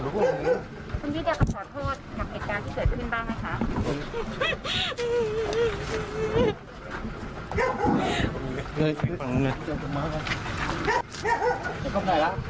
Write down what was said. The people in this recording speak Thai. คุณพี่จะกำหนดโทษหมากเหตุการณ์ที่เกิดขึ้นบ้างไหมคะ